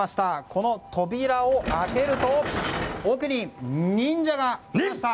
この扉を開けると奥に忍者がいました！